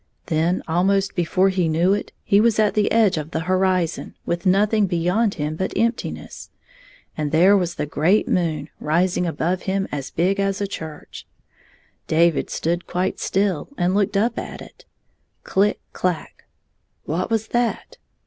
Then, almost before he knew, he was at the edge of the hori zon, with nothing beyond him but emptiness. And there was the great moon rising above him as big as a church. David stood quite still and looked up at it. CUck clack! What was that?